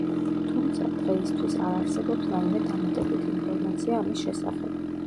თუმცა, დღეისთვის არ არსებობს რაიმე დამატებითი ინფორმაცია ამის შესახებ.